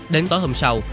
đến tối hôm sáng